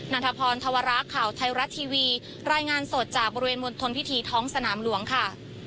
ันทพรธวระข่าวไทยรัฐทีวีรายงานสดจากบริเวณมณฑลพิธีท้องสนามหลวงค่ะ